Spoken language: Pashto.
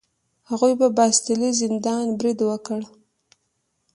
هغوی په باستیلي زندان برید وکړ.